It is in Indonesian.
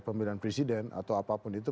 pemilihan presiden atau apapun itu